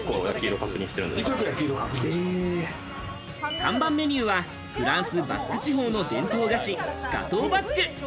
看板メニューは、フランス、バスク地方の伝統菓子、ガトーバスク。